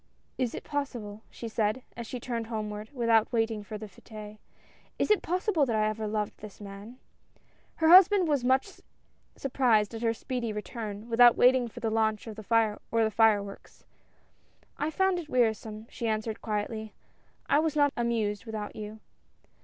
" Is it possible," she said, as she turned homeward, without waiting for the f^tes ; is it possible that I ever loved this man?" Her husband was much surprised at her speedy return, without waiting for the launch or the fire works. "I found it wearisome," she answered quietly. "I was not amused without you."